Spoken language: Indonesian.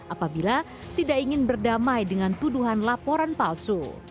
apabila tidak ingin berdamai dengan tuduhan laporan palsu